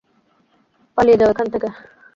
পালিয়ে যাও এখান থেকে!